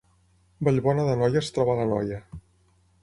Vallbona d’Anoia es troba a l’Anoia